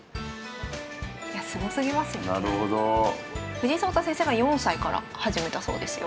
藤井聡太先生が４歳から始めたそうですよ。